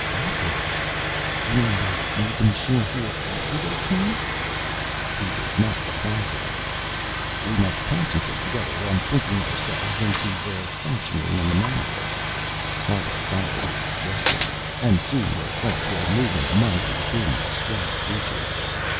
"Backwards? You mean they made the machine here after they came?" He did not reply to that. "We must concentrate together on thinking ourselves into their functioning in their manifold." Harta followed his suggestion, and soon their thoughts were moving among and within the striped creatures.